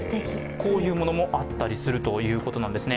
こういうものもあったりするということなんですね。